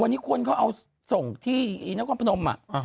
วันนี้ควรเอาส่งที่กองพนม